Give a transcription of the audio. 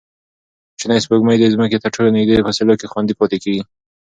کوچنۍ سپوږمۍ د ځمکې تر ټولو نږدې فاصلو کې خوندي پاتې کېږي.